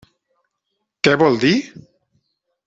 Què vol dir?